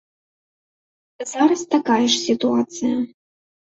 Зараз такая ж сітуацыя.